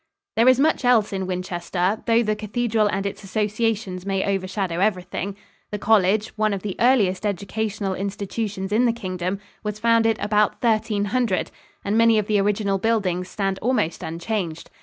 There is much else in Winchester, though the cathedral and its associations may overshadow everything. The college, one of the earliest educational institutions in the Kingdom, was founded about 1300, and many of the original buildings stand almost unchanged.